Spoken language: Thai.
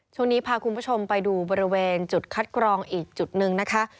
ช่วงนี้พาคุณผู้ชมไปดูบริเวณจุดคัดกรองอีกจุดหนึ่งนะคะ